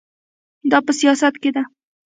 دا په سیاست کې ده.